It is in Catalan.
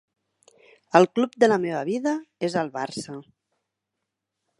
El club de la meva vida és el Barça.